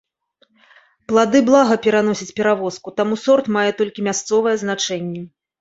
Плады блага пераносяць перавозку, таму сорт мае толькі мясцовае значэнне.